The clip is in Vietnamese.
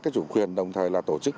cái chủ quyền đồng thời là tổ chức